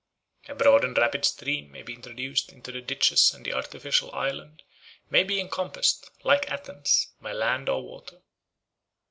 A broad and rapid stream may be introduced into the ditches and the artificial island may be encompassed, like Athens, 2 by land or water."